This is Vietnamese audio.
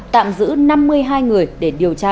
tạm giữ năm mươi hai người để điều tra